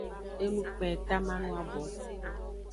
Enu kpen eta mano abo.